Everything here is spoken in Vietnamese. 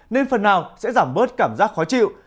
nên phần nào sẽ giảm bớt cảm giác khó chịu